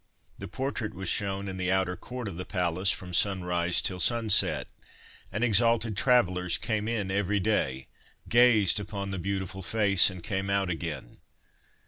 The portrait was shown in the outer court of the palace from sunrise till sunset, and exalted travellers came in every day, gazed upon the beautiful face, and came out again.